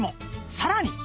さらに！